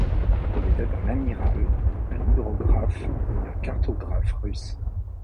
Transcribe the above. Il était un Amiral, un hydrographe et un cartographe russe.